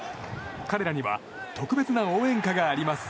彼らには特別な応援歌があります。